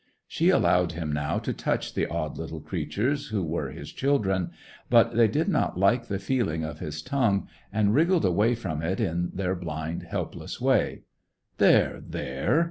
She allowed him now to touch the odd little creatures who were his children; but they did not like the feeling of his tongue, and wriggled away from it in their blind, helpless way. "There, there!"